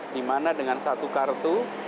dimana dengan satu kartu